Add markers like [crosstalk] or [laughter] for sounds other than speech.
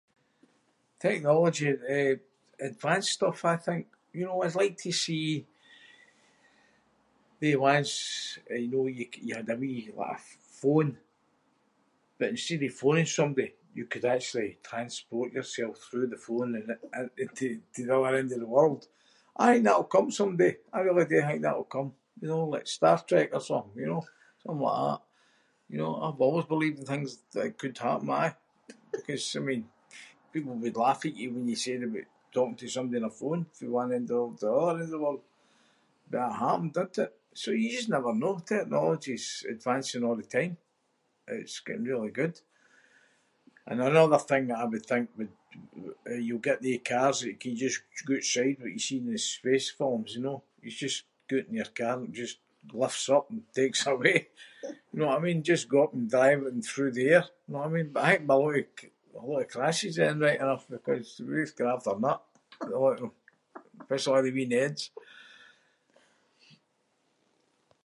Technology, eh, advanced stuff, I think- you know, I’d like to see they ones, eh, know, you- you had a wee like a phone but instead of phoning somebody you could actually transport yourself through the phone and in to- to the other end of the world. I think that’ll come someday. I really do think that’ll come. You know, like Star Trek or something, you know? Something like that, you know? I’ve always believed in things that it could happen, aye, because I mean people would laugh at you when you said aboot talking to somebody on a phone fae one end of the world to the other end of the world but that happened, didn’t it? So you just never know. Technology’s advancing a’ the time. It’s getting really good. And another thing that I would think would- eh, you’ll get they cars that you can just go ootside like what you see in the space films, you know. You just go oot in your car and it just lifts up and takes away. [laughs] Know what I mean? Just go up and drive it and through the air, know what I mean? But I think there'd be a lot of- a lot of crashes then, right enough, because they way they’d go off their nut a lot of them. Especially a’ the wee neds.